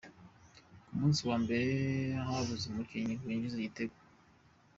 Ku munsi wa mbere habuze umukinnyi winjiza igitego